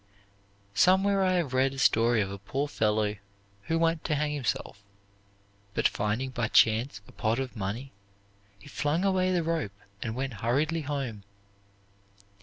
Somewhere I have read a story of a poor fellow who went to hang himself, but finding by chance a pot of money, he flung away the rope and went hurriedly home.